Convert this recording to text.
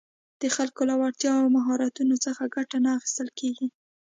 د خلکو له وړتیاوو او مهارتونو څخه ګټه نه اخیستل کېږي